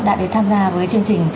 đã đến tham gia với chương trình